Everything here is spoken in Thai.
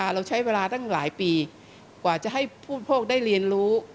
เราใช้เวลาตั้งหลายปีกว่าจะให้ผู้บริโภคได้เรียนรู้